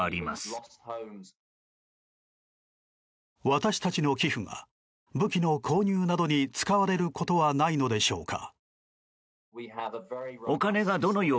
私たちの寄付が武器の購入などに使われることはないのでしょうか。